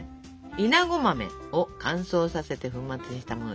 いなご豆を乾燥させて粉末にしたものです。